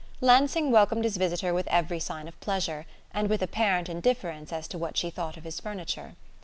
Lansing welcomed his visitor with every sign of pleasure, and with apparent indifference as to what she thought of his furniture.